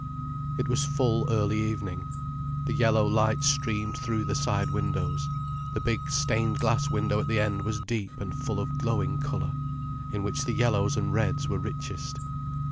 It was full early evening. The yellow light streamed through the side windows, the big stained glass window at the end was deep and full of glowing colour, in which the yellows and reds were richest.